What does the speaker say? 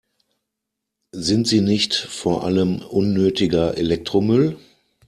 Sind sie nicht vor allem unnötiger Elektromüll?